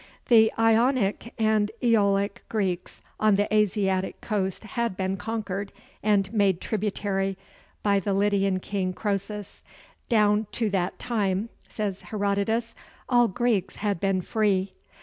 The Ionic and Æolic Greeks on the Asiatic coast had been conquered and made tributary by the Lydian king Croesus: "Down to that time (says Herodotus) all Greeks had been free."